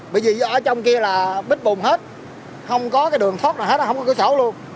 bởi vì ở trong kia là bít bùn hết không có cái đường thoát nào hết không có cửa sổ luôn